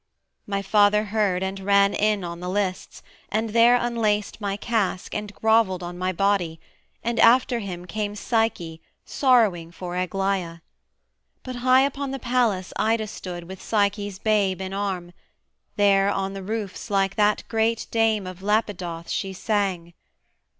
My father heard and ran In on the lists, and there unlaced my casque And grovelled on my body, and after him Came Psyche, sorrowing for Aglaïa. But high upon the palace Ida stood With Psyche's babe in arm: there on the roofs Like that great dame of Lapidoth she sang.